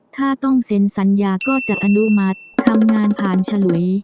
ถ้าต้องเซ็นสัญญาก็จะอนุมัติทำงานผ่านฉลุย